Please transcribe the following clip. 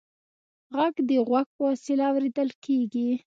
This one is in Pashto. غږ د غوږ په وسیله اورېدل کېږي.